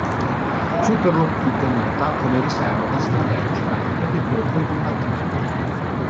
Fu perlopiù tenuta come riserva strategica e vide poco i combattimenti.